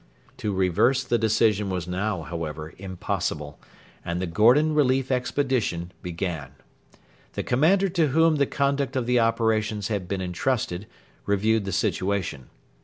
To reverse the decision was now, however, impossible, and the 'Gordon Relief Expedition' began. The commander to whom the conduct of the operations had been entrusted reviewed the situation.